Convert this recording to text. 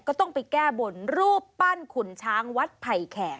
ก็ต้องไปแก้บนรูปปั้นขุนช้างวัดไผ่แขก